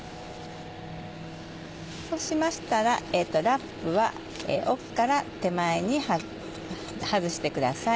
そうしましたらラップは奥から手前に外してください。